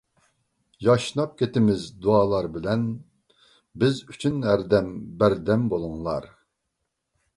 ياشناپ كېتىمىز دۇئالار بىلەن، بىز ئۈچۈن ھەردەم بەردەم بولۇڭلار!